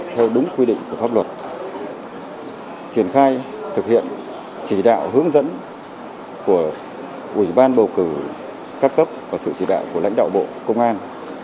theo đúng quy định của pháp luật triển khai thực hiện chỉ đạo hướng dẫn của ủy ban bầu cử các cấp và sự chỉ đạo của lãnh đạo bộ công an